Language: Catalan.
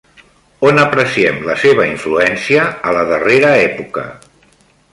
On apreciem la seva influència a la darrera època?